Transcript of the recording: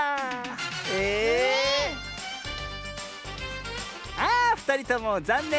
ええっ⁉あふたりともざんねん。